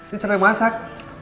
ini cara yang masak